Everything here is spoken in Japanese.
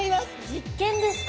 実験ですか？